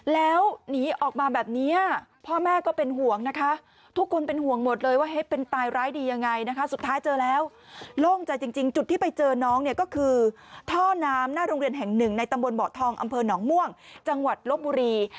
แล้วหนีออกมาแบบนี้พ่อแม่ก็เป็นห่วงนะคะทุกคนเป็นห่วงหมดเลยว่าเป็นตายร้ายดียังไงนะคะสุดท้ายเจอแล้วโล่งใจจริงจุดที่ไปเจอน้องเนี่ยก็คือท่อน้ำหน้าโรงเรียนแห่งหนึ่งในตำบลเบาะทองอำเภอหนองม่วงจังหวัดลบบุรี